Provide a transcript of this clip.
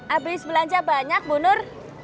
abis belanja banyak bu nur